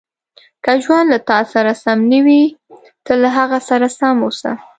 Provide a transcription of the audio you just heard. • که ژوند له تا سره سم نه وي، ته له هغه سره سم اوسه.